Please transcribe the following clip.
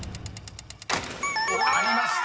［ありました。